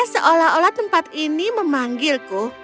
sempat ini memanggilku